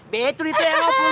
betul itu ya opu